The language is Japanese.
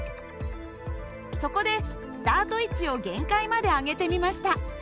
そこでスタート位置を限界まで上げてみました。